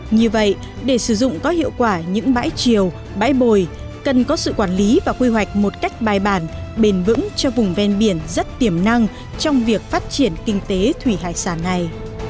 như vậy để sử dụng có hiệu quả những bãi triều bãi bồi cần có sự quản lý và quy hoạch một cách bài bản bền vững cho vùng ven biển rất tiềm năng trong việc phát triển kinh tế thủy hải sản này